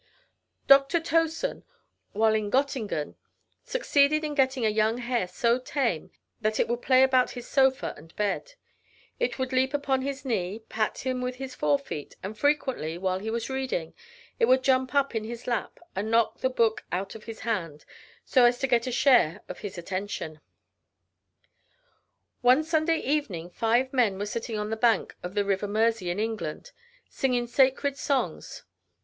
Dr. Towson, while in Gottingen, succeeded in getting a young hare so tame, that it would play about his sofa and bed. It would leap upon his knee, pat him with its fore feet, and frequently, while he was reading, it would jump up in his lap, and knock the book out of his hand, so as to get a share of his attention. [Illustration: TAME HARES.] One Sunday evening, five men were sitting on the bank of the river Mersey, in England, singing sacred songs.